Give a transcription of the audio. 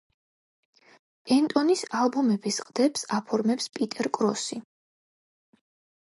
ენტონის ალბომების ყდებს აფორმებს პიტერ კროსი.